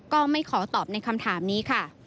ก็ไม่ขอตอบในคำถามนี้ค่ะ